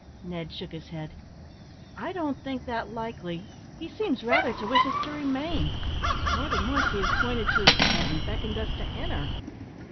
Ned shook his head. "I don't think that likely; he seems rather to wish us to remain; more than once he has pointed to his tent, and beckoned us to enter."